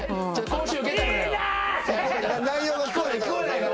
講習受けたいのよ。